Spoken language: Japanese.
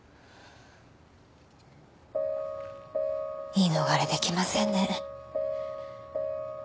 言い逃れできませんね。